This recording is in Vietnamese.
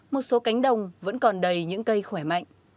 một số cánh đồng vẫn còn đầy những cây khỏe mạnh